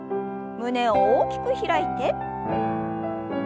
胸を大きく開いて。